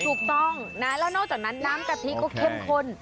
ถูกต้องนะแล้วนอกจากนั้นน้ำกะทิก็เข้มข้น